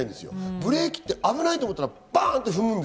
ブレーキって危ないと思ったら、バンって踏む。